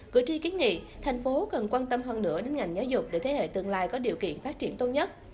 cử tri kiến nghị thành phố cần quan tâm hơn nữa đến ngành giáo dục để thế hệ tương lai có điều kiện phát triển tốt nhất